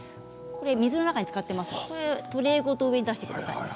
水の中につかっていますがトレーごと上に出してください。